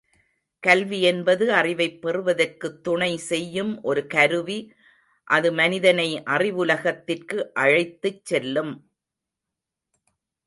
கல்வி என்பது அறிவைப் பெறுவதற்குத் துணை செய்யும் ஒரு கருவி அது மனிதனை அறிவுலகத்திற்கு அழைத்துச் செல்லும்.